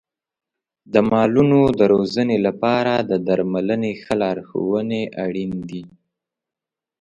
د مالونو د روزنې لپاره د درملنې ښه لارښونې اړین دي.